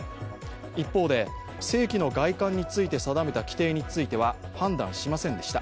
一方で、性器の外観について定めた規定については判断しませんでした。